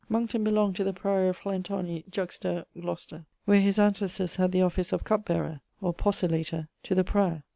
Mounckton belonged to the priory of Llantony juxta Glocester, where his ancestors had the office of cupbearer (or 'pocillator') to the prior.